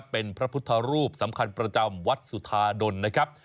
เป็นพระพุทธรูปสำคัญประจำวัดสุธาดลนะครับ